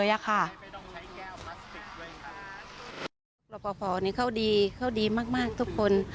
รอปภนี่เขาดีเยอะมากทุกคน